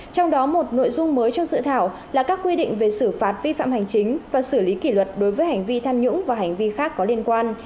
trong đó một nội dung mới trong dự thảo là các quy định về xử phạt vi phạm hành chính và xử lý kỷ luật đối với hành vi tham nhũng và hành vi khác có liên quan